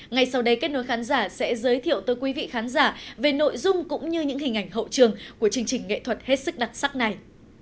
ngay sau đây kết nối khán giả sẽ giới thiệu tới quý vị khán giả về nội dung cũng như những hình ảnh hậu trường của chương trình nghệ thuật hết sức đặc sắc này